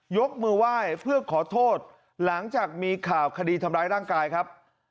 ยกมือไหว้เพื่อขอโทษหลังจากมีข่าวคดีทำร้ายร่างกายครับ